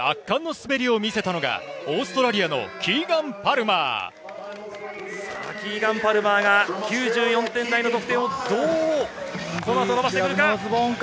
そして圧巻の滑りを見せたのがオーストラリアのキーガン・パルマーが得点をどうこのあと伸ばしてくるか。